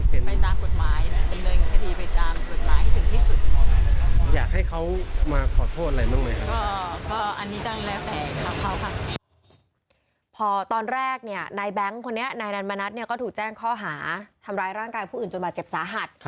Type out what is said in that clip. พอตอนแรกเนี่ยนายแบงค์คนนี้นายนันมณัฐเนี่ยก็ถูกแจ้งข้อหาทำร้ายร่างกายผู้อื่นจนบาดเจ็บสาหัส